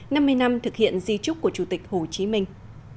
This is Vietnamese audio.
năm mươi năm thực hiện di trúc của chủ tịch hồ chí minh